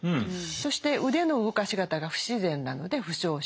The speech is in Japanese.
そして腕の動かし方が不自然なので負傷したのかな。